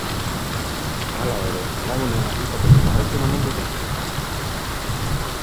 Hala ere, lagun onak izaten jarraitzen omen dute.